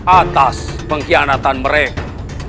atas pengkhianatan mereka